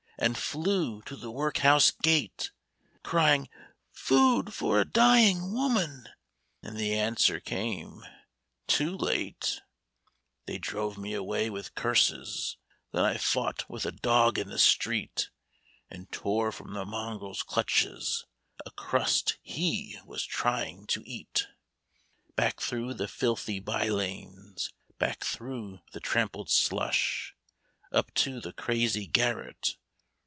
And flew to the workhouse gate, Crying, * Food for a dying woman !' And the answer came, * Too late.* 14 THE DAG ONE T BALLADS. They drove me away with curses ; Then I fought with a dog in the street. And tore from the mongrel's clutches A crust he was trying to eat. " Back, through the filthy by lanes ! Back, through the trampled slush ! Up to the crazy garret.